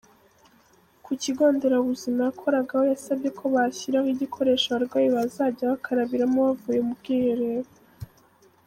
Ku kigo nderabuzima yakoragaho yasabye ko bashyiraho igikoresho abarwayi bazajya bakarabiramo bavuye mu bwiherero.